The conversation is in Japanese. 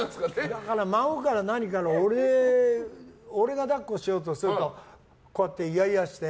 だから、孫から何から俺が抱っこしようとするとこうやって、いやいやして。